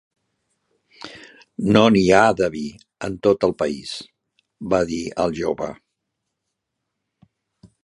"No n'hi ha, de vi, en tot el país", va dir el jove.